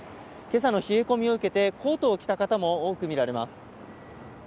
今朝の冷え込みを受けてコートを着た方も多く見られます。